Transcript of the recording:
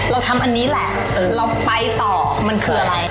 เราทำอันนี้แหละเราไปต่อมันคืออะไร